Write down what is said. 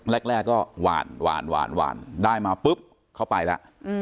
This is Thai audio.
แรกก็หวานได้มาปุ๊บเขาไปแล้ว